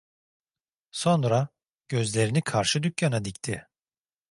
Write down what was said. Sonra, gözlerini karşı dükkana dikti.